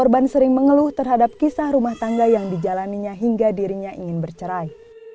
korban sering mengeluh terhadap kisah rumah tangga yang dijalaninya hingga dirinya ingin bercerai